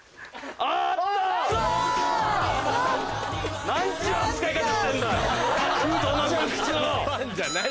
あった。